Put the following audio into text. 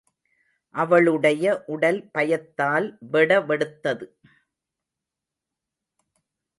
அவளுடைய உடல் பயத்தால் வெடவெடத்தது.